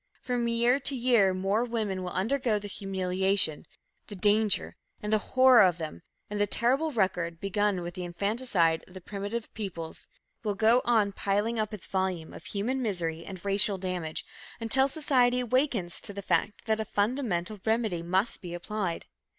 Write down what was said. From year to year more women will undergo the humiliation, the danger and the horror of them, and the terrible record, begun with the infanticide of the primitive peoples, will go on piling up its volume of human misery and racial damage, until society awakens to the fact that a fundamental remedy must be applied.